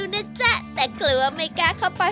แอบมองเธออยู่นะจ๊ะแต่กลัวไม่กล้าเข้าไป